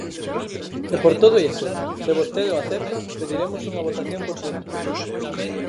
E por todo iso, se vostede o acepta, pediremos unha votación por puntos.